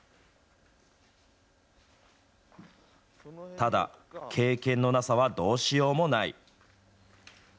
ただ、経験のなさはどうしようもない。